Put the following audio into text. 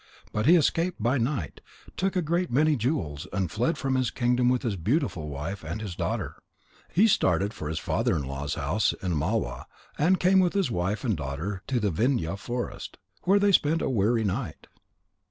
But he escaped by night, took a great many jewels, and fled from his kingdom with his beautiful wife and his daughter. He started for his father in law's house in Malwa, and came with his wife and daughter to the Vindhya forest. There they spent a weary night.